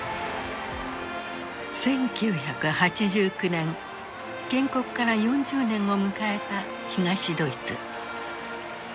１９８９年建国から４０年を迎えた東ドイツ。